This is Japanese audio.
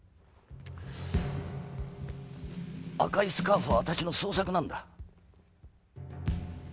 赤いスカーフはわたしの創作なんだ。